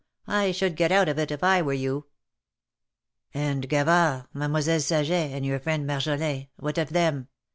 I should get out of it, if I were you !" ^^And Gavard, Mademoiselle Saget, and your friend Marjolin, what of them?"